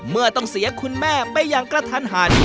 เมื่อต้องเสียคุณแม่ไปอย่างกระทันหัน